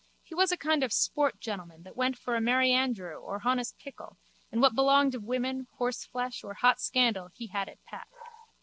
He was a kind of sport gentleman that went for a merryandrew or honest pickle and what belonged of women, horseflesh or hot scandal he had it pat.